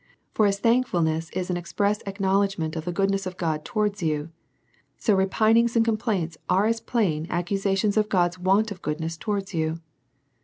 For as thankfulness is an express acknowledgement of the goodness of God towards yoUj so repinings and complaints are as plain accusa tions of God's want of goodness towards you.